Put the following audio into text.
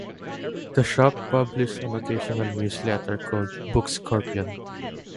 The shop published an occasional newsletter called "Book Scorpion".